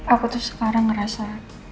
aku tuh sekarang ngerasa